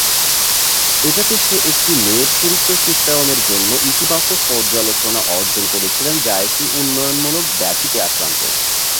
এটাতে সে একটি মেয়ের চরিত্র চিত্রায়নের জন্য ইতিবাচক পর্যালোচনা অর্জন করেছিলেন যা একটি উন্নয়নমূলক ব্যাধিতে আক্রান্ত।